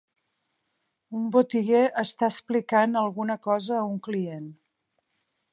Un botiguer està explicant alguna cosa a un client.